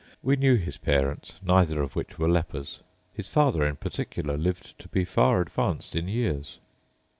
We knew his parents, neither of which were lepers; his father in particular lived to be far advanced in years.